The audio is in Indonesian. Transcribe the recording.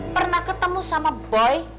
pernah ketemu sama boy